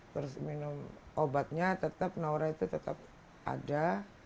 terus minum obatnya tetap naura itu tetap ada